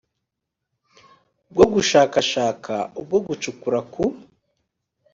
bwo gushakakashaka ubwo gucukura ku